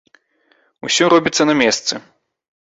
Усё робіцца на месцы.